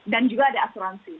dan juga ada asuransi